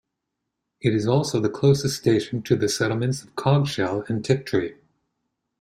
It is also the closest station to the settlements of Coggeshall and Tiptree.